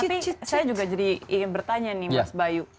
tapi saya juga jadi ingin bertanya nih mas bayu